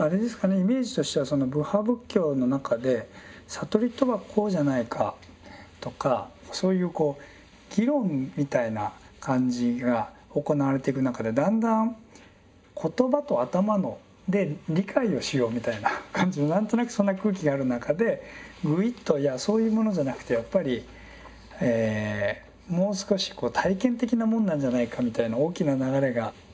イメージとしてはその部派仏教の中で悟りとはこうじゃないかとかそういうこう議論みたいな感じが行われていく中でだんだん言葉と頭で理解をしようみたいな感じの何となくそんな空気がある中でぐいっといやそういうものじゃなくてやっぱりもう少し体験的なもんなんじゃないかみたいな大きな流れが。